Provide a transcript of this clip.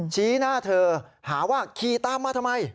ชี้หน้าเธอหาว่าขี่ตามมาทำไม